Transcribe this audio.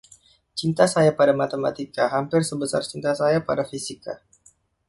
Cinta saya pada matematika hampir sebesar cinta saya pada fisika.